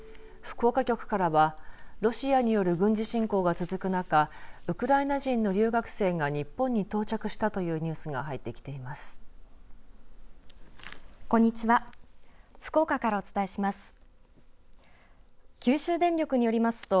福岡局からはロシアによる軍事侵攻が続く中ウクライナ人の留学生が日本に到着したというニュースが入ってきています。